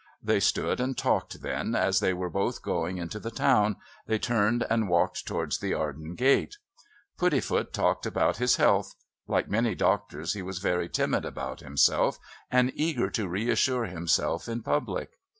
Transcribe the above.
They stood and talked, then, as they were both going into the town, they turned and walked towards the Arden Gate. Puddifoot talked about his health; like many doctors he was very timid about himself and eager to reassure himself in public.